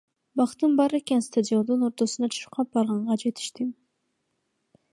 Бактым бар экен, стадиондун ортосуна чуркап барганга жетиштим.